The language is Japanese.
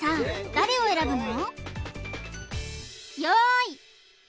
誰を選ぶの？